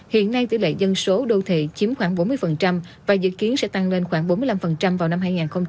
hiện nay tỷ lệ dân số đô thị chiếm khoảng bốn mươi và dự kiến sẽ tăng lên khoảng bốn mươi năm vào năm hai nghìn hai mươi